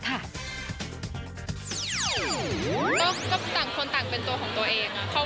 ก็ต่างคนต่างเป็นตัวของตัวเอง